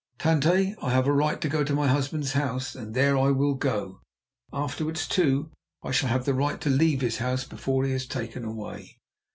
"Tante, I have a right to go to my husband's house, and there I will go. Afterwards, too, I shall have the right to leave his house before he is taken away.